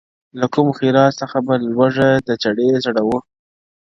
• له کوم خیرات څخه به لوږه د چړي سړوو -